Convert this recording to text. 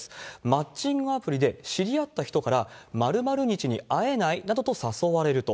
マッチングアプリで知り合った人から、○○日に会えない？などと誘われると。